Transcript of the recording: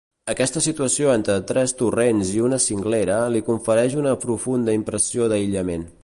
Aquesta situació entre tres torrents i una cinglera li confereix una profunda impressió d'aïllament.